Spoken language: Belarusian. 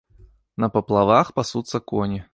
На паплавах пасуцца коні.